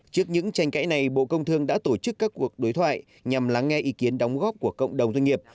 trước những tranh cãi này bộ công thương đã tổ chức các cuộc đối thoại nhằm lắng nghe ý kiến đóng góp của cộng đồng doanh nghiệp